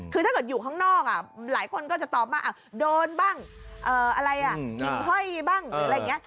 คือถ้าเกิดอยู่ข้างนอกอ่ะหลายคนก็จะตอบมาโดนบ้างเอ่ออะไรอ่ะห้อยบ้างอะไรอย่างเงี้ย